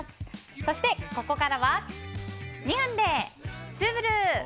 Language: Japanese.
そして、ここからは２分でツウぶる！